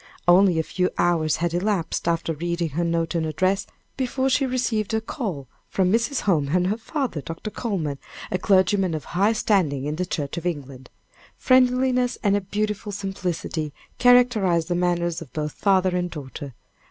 Only a few hours had elapsed, after reading her note and address, before she received a call from Mrs. Holmes and her father, Dr. Coleman, a clergyman of high standing in the Church of England. Friendliness and a beautiful simplicity characterized the manners of both father and daughter.